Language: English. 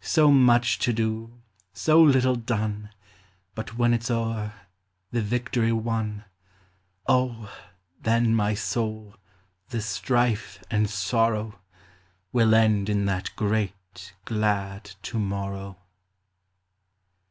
So much to do : so little done ! But when it 's o'er, — the victory won, — Oh ! then, my soul, this strife and sorrow Will end in that great, glad To morrow.